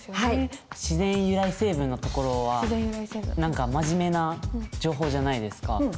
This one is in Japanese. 「自然由来成分」のところは何か真面目な情報じゃないですか